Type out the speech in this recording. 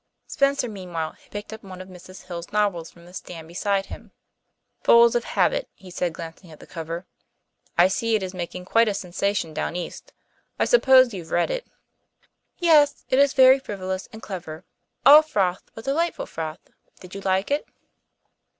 Spencer meanwhile had picked up one of Mrs. Hill's novels from the stand beside him. "Fools of Habit," he said, glancing at the cover. "I see it is making quite a sensation down east. I suppose you've read it?" "Yes. It is very frivolous and clever all froth but delightful froth. Did you like it?"